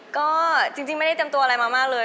ก็จริงไม่ได้เตรียมตัวอะไรมามากเลย